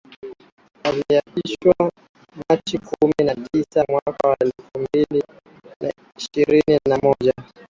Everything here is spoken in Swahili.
Aliapishwa Machi kumi na tisa mwaka elfum bili na ishirini na moja